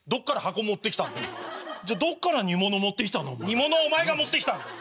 煮物はお前が持ってきたんだよ。